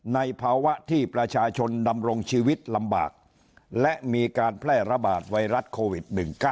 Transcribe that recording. ในภาวะที่ประชาชนดำรงชีวิตลำบากและมีการแพร่ระบาดไวรัสโควิด๑๙